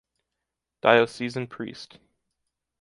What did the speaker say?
Diocesan priest.